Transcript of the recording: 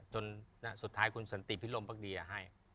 สุดท้ายคุณสันติพิรมภักดีให้